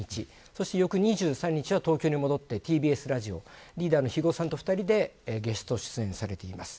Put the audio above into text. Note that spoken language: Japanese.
そして翌２３日は東京に戻ってＴＢＳラジオリーダーの肥後さんと２人でゲスト出演されています。